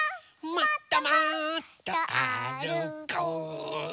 「もっともっとあるこう」